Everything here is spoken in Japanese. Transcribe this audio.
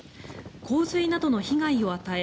洪水などの被害を与え